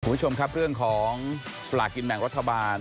คุณผู้ชมครับเรื่องของสลากกินแบ่งรัฐบาล